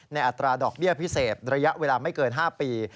อัตราดอกเบี้ยพิเศษระยะเวลาไม่เกิน๕ปี